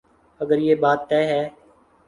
اگر یہ بات طے ہے۔